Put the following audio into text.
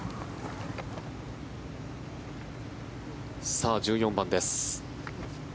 さあ１４番です。